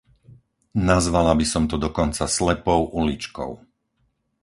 Nazvala by som to dokonca slepou uličkou.